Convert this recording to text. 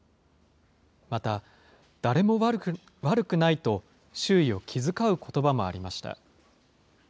また、誰も悪くないと、周囲を気遣うことばもありました。